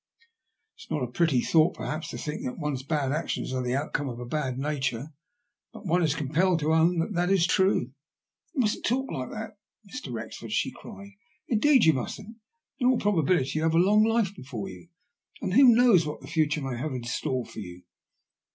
It's not a pretty thought, perhaps, to think that one's bad actions are the outcome of a bad nature, but one is compelled to own that it is true." " You mustn't talk like that, Mr. Wrexford," she cried ;" indeed, you mustn't. In all probability you have a long life before you ; and who knows what the future may have in store for you?